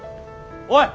おい！